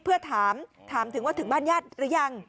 เพื่อถามถามถึงว่าถึงบ้านญาติหรือยัง